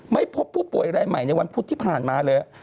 ไม่พบผู้ป่วยรายใหม่ในวันพุธที่ผ่านมาเลย